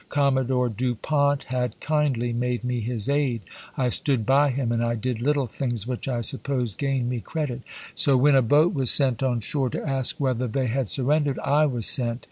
Commodore Du Pont had kindly made me his aide. I stood by him, and I did little things which I suppose gained me credit. So when a boat was sent on shore to ask whether they had surren dered, I was sent.